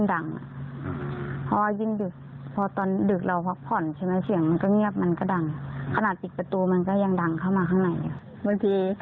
บางทีขายของมาอยากจะพักข่อนอะไรอย่างนี้